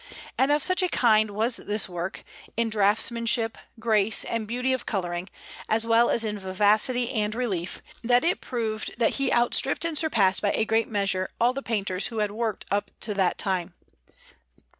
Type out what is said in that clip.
And of such a kind was this work, in draughtsmanship, grace, and beauty of colouring, as well as in vivacity and relief, that it proved that he outstripped and surpassed by a great measure all the painters who had worked up to that time.